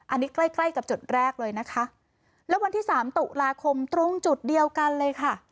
อันนี้ใกล้ใกล้กับจุดแรกเลยนะคะแล้ววันที่สามตุลาคมตรงจุดเดียวกันเลยค่ะ